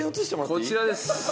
こちらです。